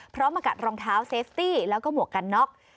มากัดรองเท้าเซฟตี้แล้วก็หมวกกันน็อก